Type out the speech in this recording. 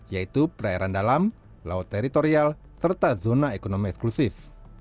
yaitu perairan dalam laut teritorial serta zona ekonomi eksklusif